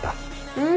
うん。